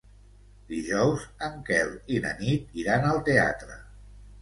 Dijous en Quel i na Nit iran al teatre.